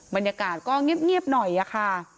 บรรยากาศก็เงียบหน่อยค่ะ